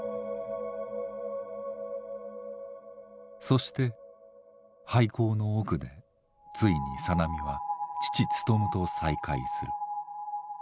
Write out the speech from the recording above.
そして廃鉱の奥でついに小波は父・ツトムと再会する。